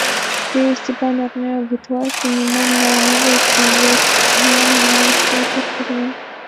Теве Степан арня гутлаште нимомат налын огыл, тудын вес ганалан налаш ятыр погына.